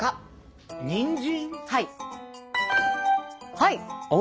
はい。